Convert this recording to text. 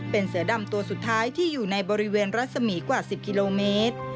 เป็นเสือดำตัวสุดท้ายที่อยู่ในบริเวณรัศมีกว่า๑๐กิโลเมตร